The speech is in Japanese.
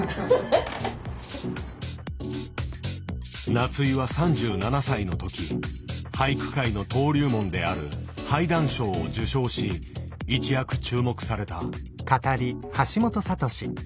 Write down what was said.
夏井は３７歳の時俳句界の登竜門である俳壇賞を受賞し一躍注目された。